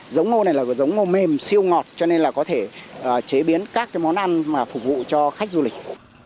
giống ngô này là giống ngô mềm siêu ngọt cho nên là có thể chế biến các món ăn mà phục vụ cho khách du lịch